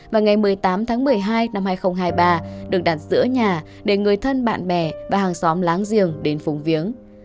và ngày một mươi tám tháng một mươi hai năm hai nghìn hai mươi ba được đặt giữa nhà để người thân bạn bè và hàng xóm láng giềng đến phùng viếng